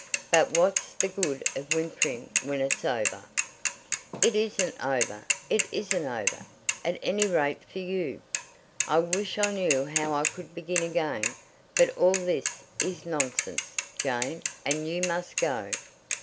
But what's the good of whimpering when it's over?" "It isn't over; it isn't over, at any rate for you." "I wish I knew how I could begin again. But all this is nonsense, Jane, and you must go."